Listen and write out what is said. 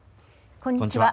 こんにちは。